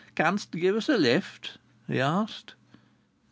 "Canst gi' us a lift?" he asked.